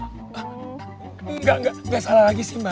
enggak enggak salah lagi sih mbak